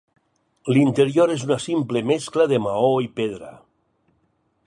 L'interior és una simple mescla de maó i pedra.